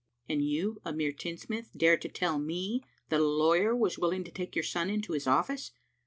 " And you, a mere tinsmith, dare to tell me that a lawyer was willing to take your son into his office?